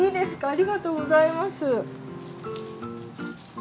ありがとうございます。